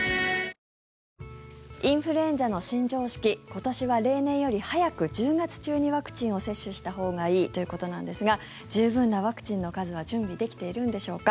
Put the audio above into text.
今年は例年より早く１０月中にワクチンを接種したほうがいいということなんですが十分なワクチンの数は準備できているんでしょうか。